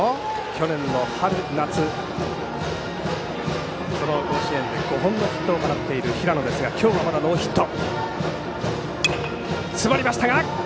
去年の春夏甲子園で５本のヒットを放っている平野ですが今日はまだノーヒット。